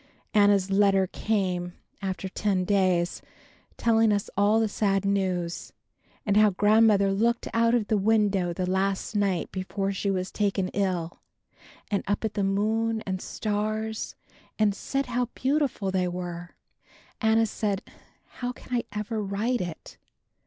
Anna's letter came, after ten days, telling us all the sad news, and how Grandmother looked out of the window the last night before she was taken ill, and up at the moon and stars and said how beautiful they were. Anna says, "How can I ever write it?